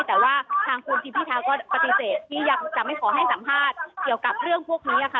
แต่ว่าทางคุณจินวิทยาก็ปฏิเสธว่ายักษ์จะไม่ขอให้สัมพาทเดียวกันเรื่องพวกนี้ค่ะ